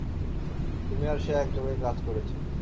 তুমি আর সে একযোগে কাজ করেছ।